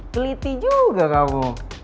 keliti juga kamu